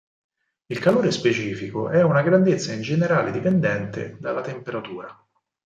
Il calore specifico è una grandezza in generale dipendente dalla temperatura.